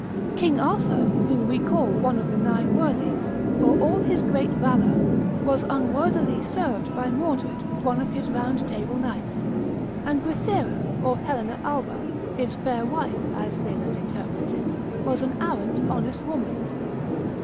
King Arthur, whom we call one of the nine worthies, for all his great valour, was unworthily served by Mordred, one of his round table knights: and Guithera, or Helena Alba, his fair wife, as Leland interprets it, was an arrant honest woman.